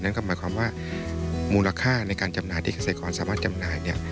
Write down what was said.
นั่นก็หมายความว่ามูลค่าในการจำหน่ายที่เกษตรกรสามารถจำหน่าย